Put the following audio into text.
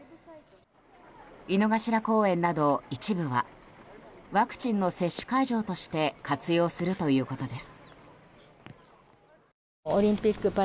井の頭公園など、一部はワクチンの接種会場として活用するということです。